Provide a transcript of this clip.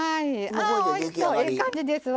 ええ感じですわ。